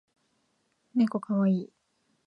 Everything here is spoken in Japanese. ねこかわいい